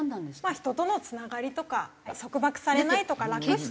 人とのつながりとか束縛されないとか楽したい。